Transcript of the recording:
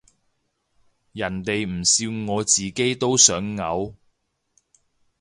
人哋唔笑我自己都想嘔